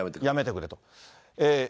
やめてくれと。